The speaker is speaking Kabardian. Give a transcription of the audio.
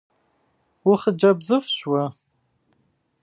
УхъыджэбзыфӀщ уэ!